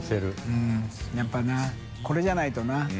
うんやっぱなこれじゃないとな。